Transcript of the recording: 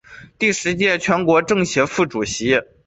第十届全国政协副主席。